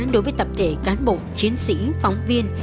đối với tập thể cán bộ chiến sĩ phóng viên